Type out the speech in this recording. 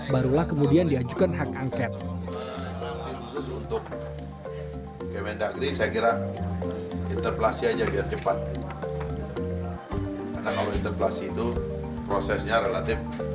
barulah kemudian diajukan hak angket